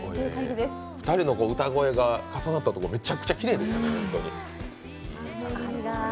２人の歌声が重なったところめちゃくちゃきれいでしたね。